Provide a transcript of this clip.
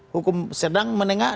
hukum sedang menengah